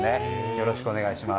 よろしくお願いします。